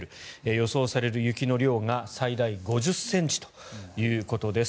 予想される雪の量が最大５０ｃｍということです。